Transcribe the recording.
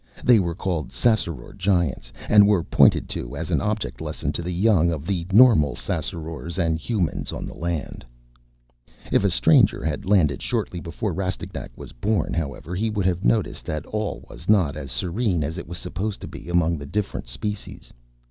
They were called Ssassaror Giants and were pointed to as an object lesson to the young of the normal Ssassarors and Humans on the land. If a stranger had landed shortly before Rastignac was born, however, he would have noticed that all was not as serene as it was supposed to be among the different species.